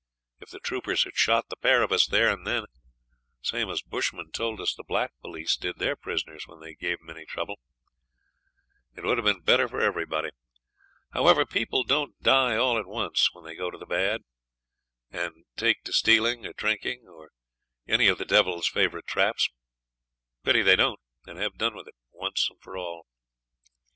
If the troopers had shot the pair of us there and then, same as bushmen told us the black police did their prisoners when they gave 'em any trouble, it would have been better for everybody. However, people don't die all at once when they go to the bad, and take to stealing or drinking, or any of the devil's favourite traps. Pity they don't, and have done with it once and for all.